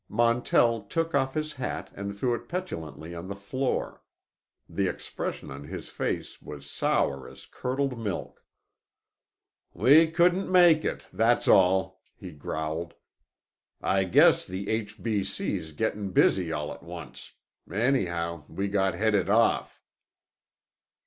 Montell took off his hat and threw it petulantly on the floor. The expression on his face was sour as curdled milk. "We couldn't make it, that's all," he growled. "I guess the H. B. C.'s gettin' busy all at once. Anyhow, we got headed off."